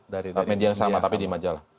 dari media yang sama tapi di majalah